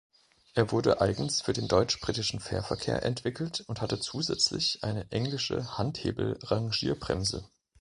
Er wurde eigens für den deutsch-britischen Fährverkehr entwickelt und hatte zusätzlich eine englische Handhebel-Rangierbremse.